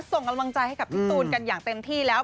ส่งกำลังใจให้กับพี่ตูนกันอย่างเต็มที่แล้ว